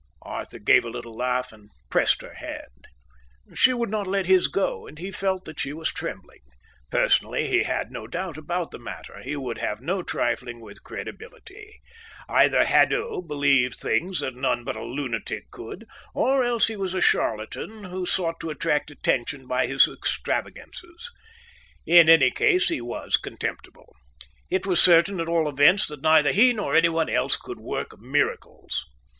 Arthur gave a little laugh and pressed her hand. She would not let his go, and he felt that she was trembling. Personally, he had no doubt about the matter. He would have no trifling with credibility. Either Haddo believed things that none but a lunatic could, or else he was a charlatan who sought to attract attention by his extravagances. In any case he was contemptible. It was certain, at all events, that neither he nor anyone else could work miracles.